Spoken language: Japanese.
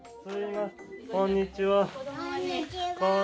こんにちは。